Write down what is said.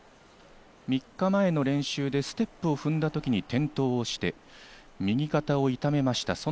３日前の練習でステップを踏んだ時に転倒して右肩を痛めました。